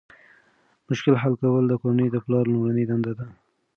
مشکل حل کول د کورنۍ د پلار لومړنۍ دنده ده.